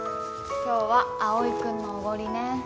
今日は蒼井君のおごりね。